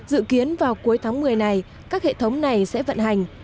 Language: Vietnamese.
dự kiến vào cuối tháng một mươi này các hệ thống này sẽ vận hành